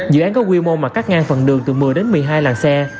dự án có quy mô mà cắt ngang phần đường từ một mươi đến một mươi hai làng xe